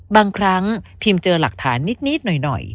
บางครั้งพิมเจอหลักฐานนิดหน่อย